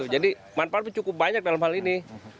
jadi manfaatnya cukup banyak dalam hal ini